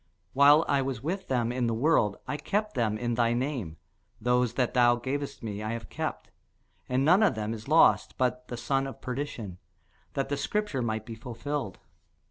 While I was with them in the world, I kept them in thy name: those that thou gavest me I have kept, and none of them is lost, but the son of perdition; that the scripture might be fulfilled.